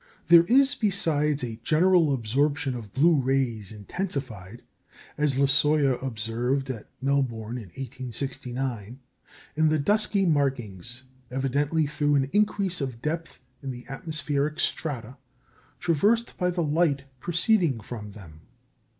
There is, besides, a general absorption of blue rays, intensified as Le Sueur observed at Melbourne in 1869 in the dusky markings, evidently through an increase of depth in the atmospheric strata traversed by the light proceeding from them.